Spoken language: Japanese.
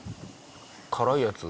辛いやつ？